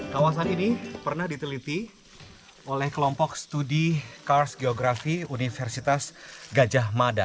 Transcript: kawasan ini pernah diteliti oleh kelompok studi kars geografi universitas gajah mada